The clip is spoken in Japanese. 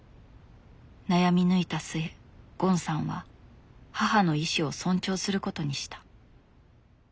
悩み抜いた末ゴンさんは母の意志を尊重することにした。